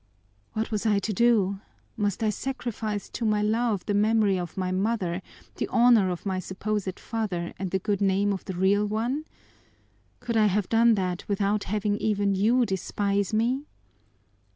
"What was I to do? Must I sacrifice to my love the memory of my mother, the honor of my supposed father, and the good name of the real one? Could I have done that without having even you despise me?"